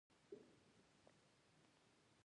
یوسلویو, یوسلودوه, یوسلولس, یوسلوشل